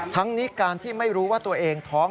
ทั้งนี้การที่ไม่รู้ว่าตัวเองท้อง